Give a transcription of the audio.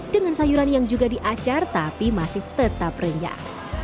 dengan sayuran yang juga diacar tapi masih tetap renyah